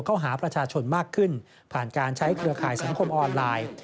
เข้าหาประชาชนมากขึ้นผ่านการใช้เครือข่ายสังคมออนไลน์